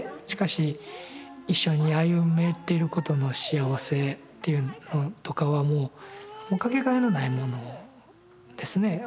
しかし一緒に歩めてることの幸せっていうのとかはもう掛けがえのないものですね。